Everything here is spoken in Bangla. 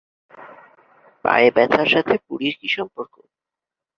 পায়ে ব্যথার সাথে পুরীর কী সম্পর্ক?